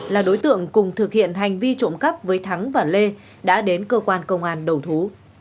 là đối tượng cùng thực hiện hành vi trộm cắp với thắng và lê đã đến cơ quan công an đầu thú